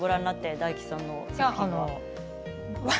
大吉さん。